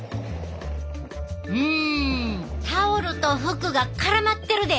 うんタオルと服が絡まってるで！